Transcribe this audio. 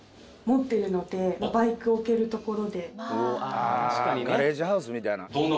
あガレージハウスみたいな。